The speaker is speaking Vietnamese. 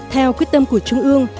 theo quyết tâm của trung ương